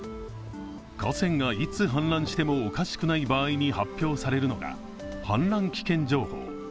河川がいつ氾濫してもおかしくない場合に発表されるのが氾濫危険情報。